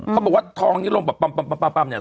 เขาบอกว่าทองนี้ลงป่าวป๊อม